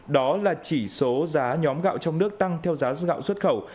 đó là chỉ số giá nhóm gạo trong nước tăng theo giá gạo xuất khẩu